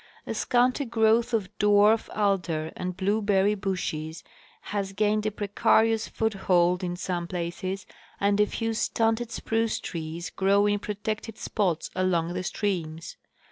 A scanty growth of dwarf alder and blueberry bushes has ■ gained a precarious foothold in some places, and a few stunted spruce trees grow in protected spots along the streams.